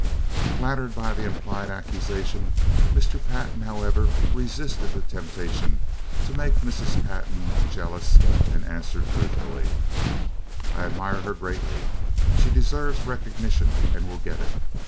Flattered by the implied accusation, Mr. Pantin, however, resisted the temptation to make Mrs. Pantin jealous, and answered truthfully: "I admire her greatly. She deserves recognition and will get it.